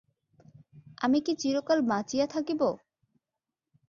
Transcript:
আমি কি চিরকাল বাঁচিয়া থাকিব?